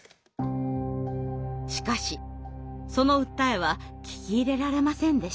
しかしその訴えは聞き入れられませんでした。